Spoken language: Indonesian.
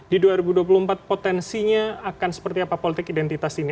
di dua ribu dua puluh empat potensinya akan seperti apa politik identitas ini